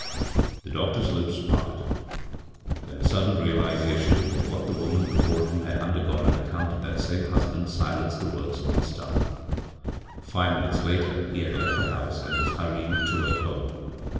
The doctor's lips parted. Then a sudden 185 b, Google CROSS CURRENTS realization of what the woman b^ore him had undergone on account of that same hus band silenced the words on his tongue. Five minutes later he had left the house and was hurrying toward home.